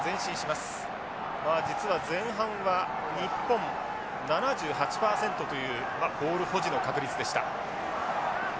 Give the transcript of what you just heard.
まあ実は前半は日本７８％というボール保持の確率でした。